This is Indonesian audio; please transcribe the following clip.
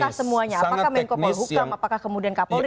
apakah semuanya apakah menko paul hukam apakah kemudian kapolri